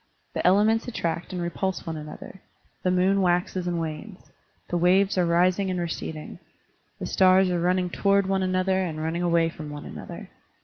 The elements attract and repulse one another. The moon waxes and wanes. The waves are rising and receding. The stars are running toward one another and running away from one another.